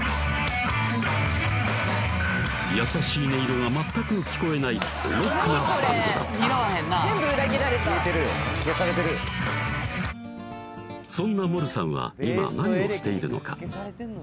優しい音色が全く聞こえないロックなバンドだったそんなモルさんは今何をしているのか？